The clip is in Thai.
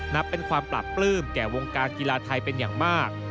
นับเป็นความปราบปลื้มแก่วงการกีฬาไทยเป็นอย่างมาก